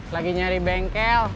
lagi nyari bengkel